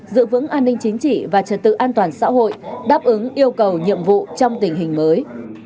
giữ vững an ninh chính trị và trật tự an toàn xã hội đáp ứng yêu cầu nhiệm vụ trong tình hình mới